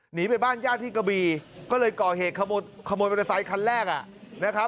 หนีไปบ้านญาติที่กะบีก็เลยก่อเหกขมดขมดไปในไซส์คันแรกอะ